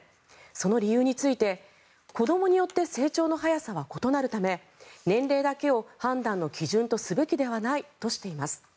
その理由について子どもによって成長の速さは異なるため年齢だけを判断の基準とすべきではないとしています。